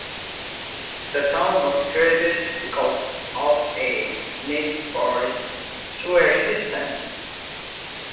The town was created because of a need for a sewer system.